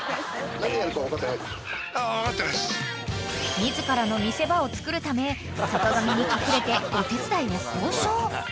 ［自らの見せ場をつくるため坂上に隠れてお手伝いを交渉］